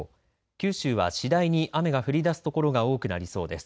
九州は次第に雨が降り出す所が多くなりそうです。